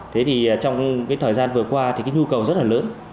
thế thì trong cái thời gian vừa qua thì cái nhu cầu rất là lớn